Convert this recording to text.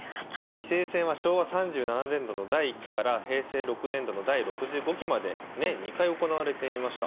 棋聖戦は昭和３７年度の第１期から平成６年度の第６５期まで年２回行われていました。